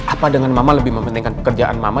apa dengan mama lebih mementingkan pekerjaan mama